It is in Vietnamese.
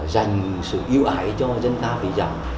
dành sự yêu ái cho dân ca ví giảm